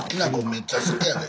めっちゃ好きやで。